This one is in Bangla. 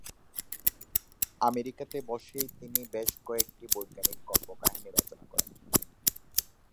আমেরিকাতে বসেই তিনি বেশ কয়েকটি বৈজ্ঞানিক কল্পকাহিনী রচনা করেন।